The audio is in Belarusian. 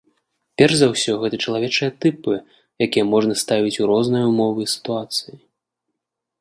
Перш за ўсё, гэта чалавечыя тыпы, якія можна ставіць у розныя ўмовы і сітуацыі.